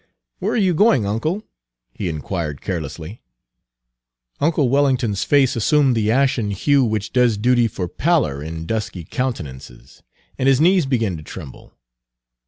"Where are you going, uncle?" he inquired carelessly. Uncle Wellington's face assumed the ashen hue which does duty for pallor in dusky countenances, and his knees began to tremble.